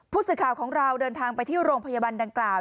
ผู้สื่อข่าวของเราเดินทางไปที่โรงพยาบาลดังกล่าว